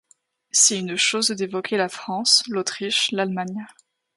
C'est une chose d'évoquer la France, l'Autriche, l'Allemagne.